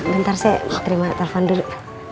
bentar sih terima telepon dulu